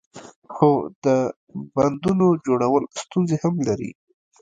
خو د بندونو جوړول ستونزې هم لري.